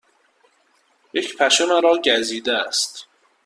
یک پشه مرا گزیده است.